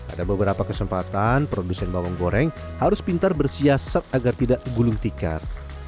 ada beberapa kesempatan produsen bawang goreng harus pintar bersiasat agar tidak gulung tikar